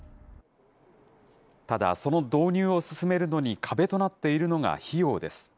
ただ、その導入を進めるのに壁となっているのが費用です。